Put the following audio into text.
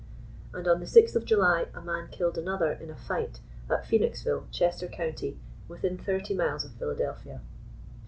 And on the 6th of July a man killed another in a fight, at Phcenixville, Chester County, within thirty miles of Philadelphia.